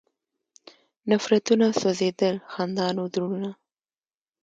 نفرتونه سوځېدل، خندان و زړونه